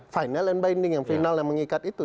final and binding yang final yang mengikat itu